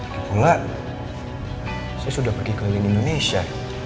gak pula saya sudah pergi keliling indonesia